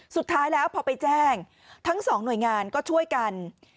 สุดท้ายแล้วพอไปแจ้งทั้งสองหน่วยงานก็ช่วยกัน